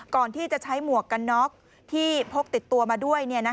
ก่อนที่จะใช้หมวกกันน็อกที่พกติดตัวมาด้วย